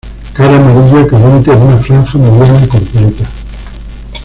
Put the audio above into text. Cara amarilla carente de una franja mediana completa.